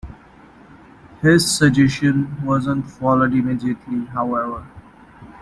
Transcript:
His suggestion wasn't followed immediately, however.